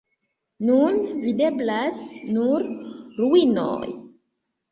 Nun videblas nur ruinoj.